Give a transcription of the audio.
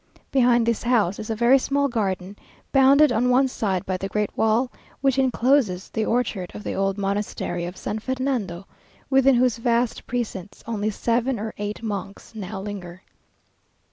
Behind this house is a very small garden, bounded on one side by the great wall which encloses the orchard of the old monastery of San Fernando, within whose vast precincts only seven or eight monks now linger.